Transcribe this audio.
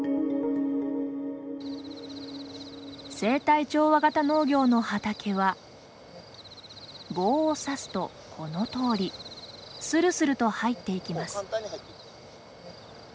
生態調和型農業の畑は棒を刺すとこの通り。するすると入っていきます。